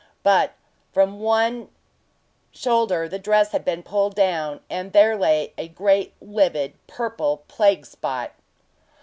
But from one shoulder the dress had been pulled down, and there lay a great livid purple plague spot!